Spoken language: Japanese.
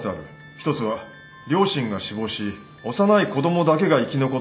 １つは両親が死亡し幼い子供だけが生き残っていること。